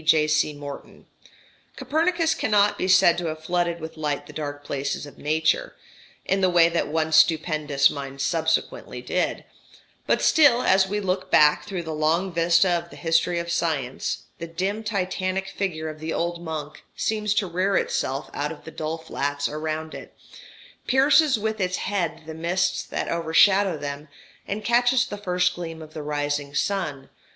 J.C. Morton): "Copernicus cannot be said to have flooded with light the dark places of nature in the way that one stupendous mind subsequently did but still, as we look back through the long vista of the history of science, the dim Titanic figure of the old monk seems to rear itself out of the dull flats around it, pierces with its head the mists that overshadow them, and catches the first gleam of the rising sun